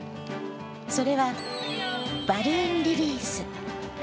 それはバルーンリリース。